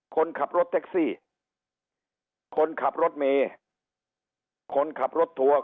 คนขับรถแท็กซี่คนขับรถเมย์คนขับรถทัวร์